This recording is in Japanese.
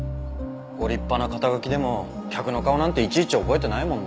ご立派な肩書でも客の顔なんていちいち覚えてないもんねえ。